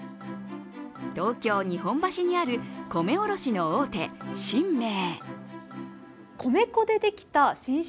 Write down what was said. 東京・日本橋にある米卸の大手・神明。